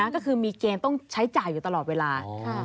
ก็คือมีเกณฑ์ต้องใช้จ่ายอยู่ตลอดเวลา